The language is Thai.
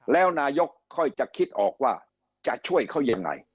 แล้วนายกค่อยจะคิดออกว่าจะช่วยเขายังไง